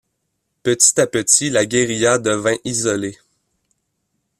Petit à petit, la guérilla devint isolée.